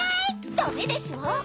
ダメですわ！